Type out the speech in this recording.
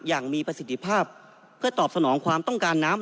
อย่างมีประสิทธิภาพเพื่อตอบสนองความต้องการน้ำ